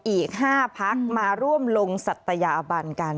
อีก๕พักมาร่วมลงศัตยาบันกัน